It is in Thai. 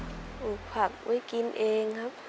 ปลูกผักไว้กินเองครับ